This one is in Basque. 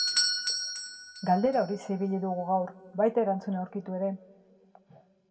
Galdera horixe ibili dugu gaur, baita erantzuna aurkitu ere.